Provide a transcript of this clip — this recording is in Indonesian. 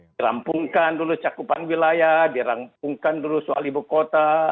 dirampungkan dulu cakupan wilayah dirampungkan dulu soal ibu kota